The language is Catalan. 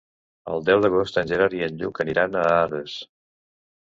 El deu d'agost en Gerard i en Lluc aniran a Arres.